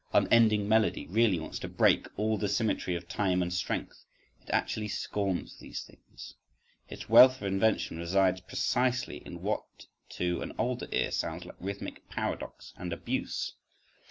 "Unending melody" really wants to break all the symmetry of time and strength; it actually scorns these things—Its wealth of invention resides precisely in what to an older ear sounds like rhythmic paradox and abuse.